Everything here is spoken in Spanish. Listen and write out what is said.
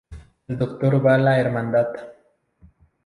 El Doctor va a la Hermandad.